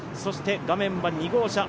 画面は２号車です。